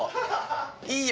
いいよ。